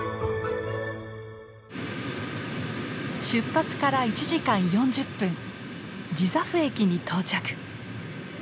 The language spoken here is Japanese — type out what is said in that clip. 出発から１時間４０分ジザフ駅に到着。